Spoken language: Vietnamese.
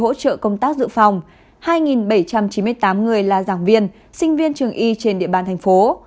hỗ trợ công tác dự phòng hai bảy trăm chín mươi tám người là giảng viên sinh viên trường y trên địa bàn thành phố